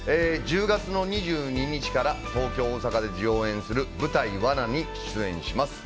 １０月２２日から東京、大阪で上演する舞台「罠」に出演します。